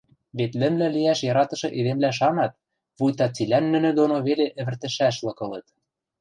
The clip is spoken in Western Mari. Вет лӹмлӹ лиӓш яратышы эдемвлӓ шанат, вуйта цилӓн нӹнӹ доно веле ӹвӹртӹшӓшлык ылыт.